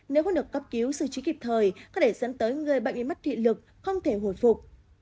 nếu không được cấp cứu sự trí kịp thời có thể dẫn tới người bệnh bị mắt thị lực không thể hồi phục